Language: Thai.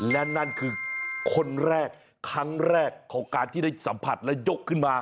และนั่นคือคนแรกครั้งแรกของการที่ได้สัมผัสและยกขึ้นมา